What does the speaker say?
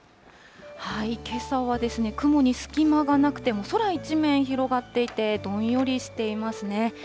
けさは、雲に隙間がなくて、もう空一面広がっていて、どんよりしていますね。